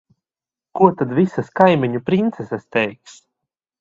Ko tad visas kaimiņu princeses teiks?